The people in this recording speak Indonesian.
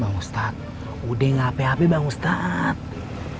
bang ustadz udah gak apa apa bang ustadz